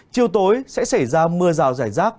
chiều tối sẽ xảy ra mưa rào rải rác